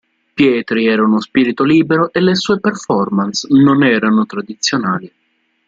Pietri era uno spirito libero e le sue performance non erano tradizionali.